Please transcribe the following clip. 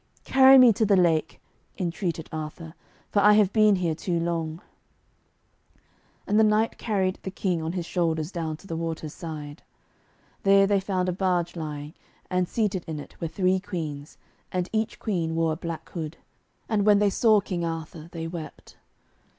'Carry me to the lake,' entreated Arthur, 'for I have been here too long.' [Illustration: Page 115] And the knight carried the King on his shoulders down to the water's side. There they found a barge lying, and seated in it were three Queens, and each Queen wore a black hood. And when they saw King Arthur they wept.